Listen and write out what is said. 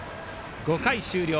５回終了。